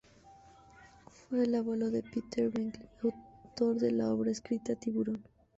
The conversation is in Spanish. Fue el abuelo de Peter Benchley, autor de la obra escrita "Tiburón".